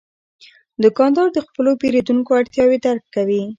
دوکاندار د خپلو پیرودونکو اړتیاوې درک کوي.